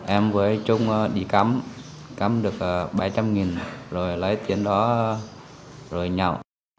em với trung đi cắm cắm được bảy trăm linh nghìn rồi lấy tiền đó rồi nhau